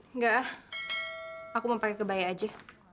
enggak aku mau pakai kebaya aja